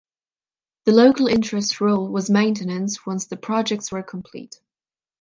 The local interests' role was maintenance once the projects were complete.